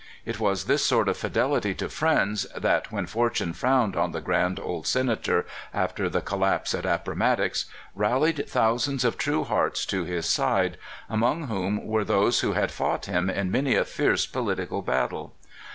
It was this sort of fidelity to friends that, when fortune frowned on the grand old Senator after the col lapse at Appomattox, rallied thousands of true hearts to his side, among whom were those who had fought him in many a fierce political battle.